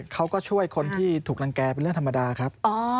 เขาก็ช่วยคนที่ถูกรังแก่เป็นเรื่องธรรมดาครับ